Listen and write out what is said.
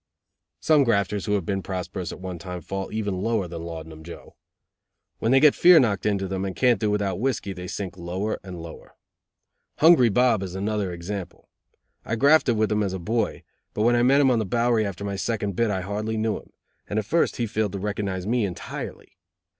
Some grafters who have been prosperous at one time fall even lower than Laudanum Joe. When they get fear knocked into them and can't do without whiskey they sink lower and lower. Hungry Bob is another example. I grafted with him as a boy, but when I met him on the Bowery after my second bit I hardly knew him, and at first he failed to recognize me entirely.